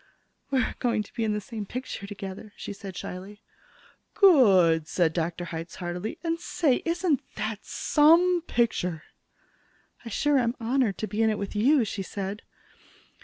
"We're going to be in the same picture together," she said shyly. "Good!" said Dr. Hitz heartily. "And, say, isn't that some picture?" "I sure am honored to be in it with you," she said.